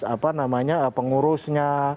apa namanya pengurusnya